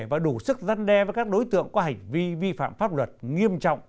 và đủ sức răn đe với các đối tượng có hành vi vi phạm pháp luật nghiêm trọng